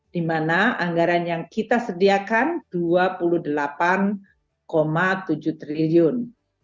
di mana anggaran yang kita sediakan rp dua puluh delapan tujuh triliun